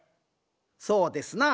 そうですな。